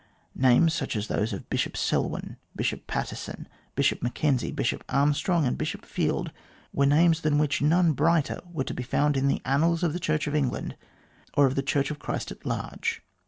Names such as those of Bishop Selwyn, Bishop Patteson, Bishop M'Kenzie, Bishop Armstrong, and Bishop Field were names than which none brighter were to be found in the annals of the Church of England or of the Church of Christ at large.